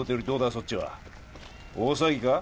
そっちは大騒ぎか？